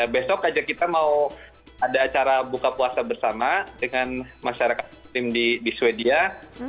besok aja kita mau ada acara buka puasa bersama dengan masyarakat muslim di sweden